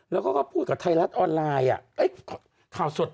แล้วก็พูดกับไทยรัฐออนไลน์ข่าวสด